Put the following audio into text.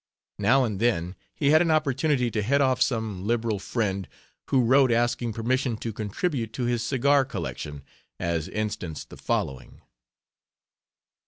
Now and then he had an opportunity to head off some liberal friend, who wrote asking permission to contribute to his cigar collection, as instance the following.